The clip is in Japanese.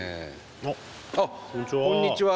こんにちは。